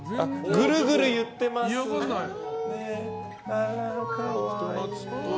ぐるぐる言ってます。